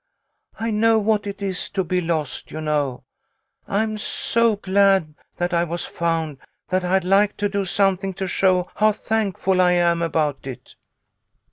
I know what it is to be lost, you know. I'm so glad that I was found that I'd like to do something to show how thankful I am about it."